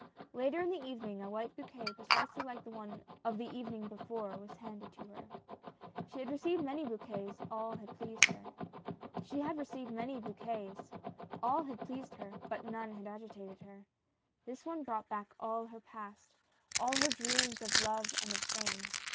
Later in the evening, a white bouquet precisely like the one of the evening before, was handed to her. She had received many bouquets, all had pleased her, but none had agitated her. This one brought back all her past, all her dreams of love and of fame.